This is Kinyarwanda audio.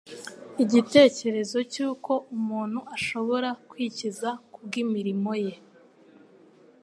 Igitekerezo cy'uko umuntu ashobora kwikiza kubw'imirimo ye,